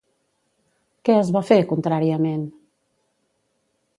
Què es va fer, contràriament?